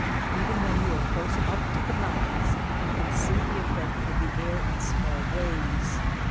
Even when you are close up to the moun tains you can see the effect of the air in small ways.